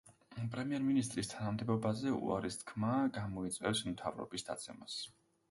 პრემიერ-მინისტრის თანამდებობაზე უარის თქმა გამოიწვევს მთავრობის დაცემას.